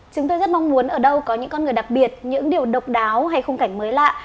chúng tôi rất mong muốn ở đâu có những con người đặc biệt những điều độc đáo hay khung cảnh mới lạ